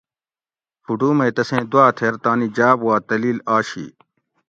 فوٹو مئ تسیں دواۤ تھیر تانی جاب وا تلیل آشی